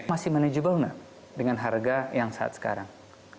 masih manageable nggak dengan harga yang saat sekarang